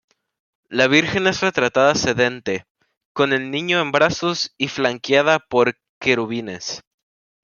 La Virgen es retratada sedente, con el Niño en brazos y flanqueada por querubines.